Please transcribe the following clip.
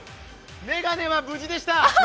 眼鏡は無事でした。